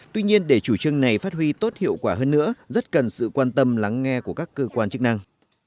tuy nhiên để chủ trương này phát huy tốt hiệu quả hơn nữa rất cần sự quan tâm lắng nghe của các cơ quan chức năng